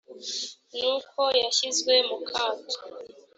n uko yashyizwe mukato